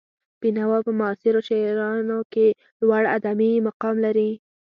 بېنوا په معاصرو شاعرانو کې لوړ ادبي مقام لري.